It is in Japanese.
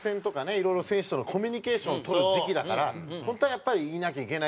いろいろ選手とのコミュニケーションをとる時期だから本当はやっぱりいなきゃいけないんですよね。